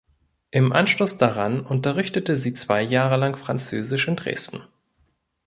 Im Anschluss daran unterrichtete sie zwei Jahre lang Französisch in Dresden.